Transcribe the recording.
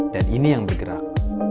dan ini yang bergerak